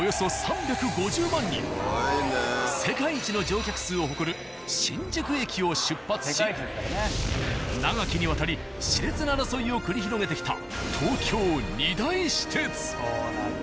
世界一の乗客数を誇る新宿駅を出発し長きにわたり熾烈な争いを繰り広げてきた。